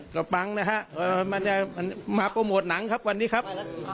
ก็ปังนะครับมันจะมาโปรโมทภาพยนตร์ครับวันนี้ครับ